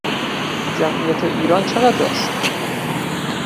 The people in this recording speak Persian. جمعیت ایران چقدر است؟